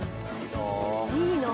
いいなあ。